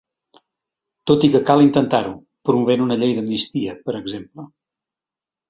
Tot i que cal intentar-ho, promovent una llei d’amnistia, per exemple.